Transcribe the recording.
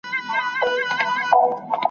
چي څه ګټم هغه د وچي ډوډۍ نه بسیږي ,